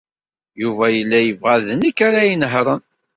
Yuba yella yebɣa d nekk ara inehṛen.